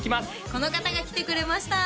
この方が来てくれました